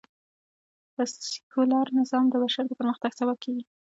سکیولر نظام د بشر د پرمختګ سبب کېږي